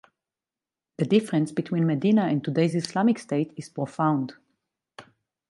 The difference between Medina and today's Islamic states is profound.